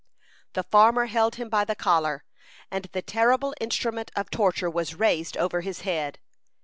The farmer held him by the collar, and the terrible instrument of torture was raised over his head.